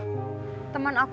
kamu mau nolong aku